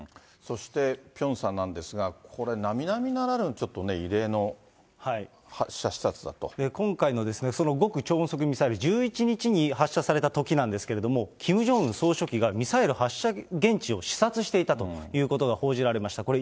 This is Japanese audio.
そして、ピョンさんなんですが、これ、なみなみならぬ、ちょ今回のその極超音速ミサイル、１１日に発射されたときなんですけれども、キム・ジョンウン総書記がミサイル発射現地を視察していたということが報じられました。